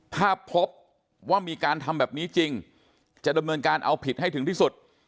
ถ้าพบว่ามีการทำแบบนี้จริงจะดำเนินการเอาผิดให้ถึงที่สุด